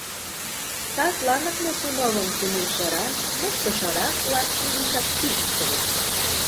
Садланак Мосуновым тунемшырак, моштышырак-влак изишак «пижыктыльыч».